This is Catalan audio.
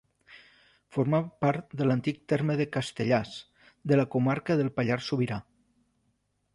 Formava part de l'antic terme de Castellàs, de la comarca del Pallars Sobirà.